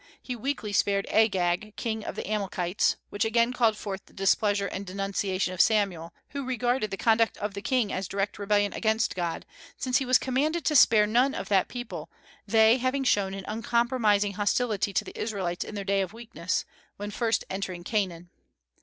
He weakly spared Agag, King of the Amalekites, which again called forth the displeasure and denunciation of Samuel, who regarded the conduct of the King as direct rebellion against God, since he was commanded to spare none of that people, they having shown an uncompromising hostility to the Israelites in their days of weakness, when first entering Canaan.